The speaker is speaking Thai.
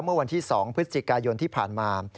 เมื่อวันที่๒พฤศจิกายนที่ผ่านมา